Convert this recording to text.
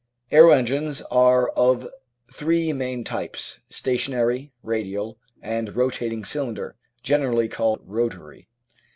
Aero engines are of three main types, stationary, radial, and rotating cylinder, gen erally called rotary.